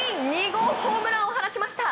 ２号ホームランを放ちました！